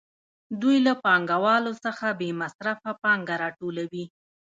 دوی له پانګوالو څخه بې مصرفه پانګه راټولوي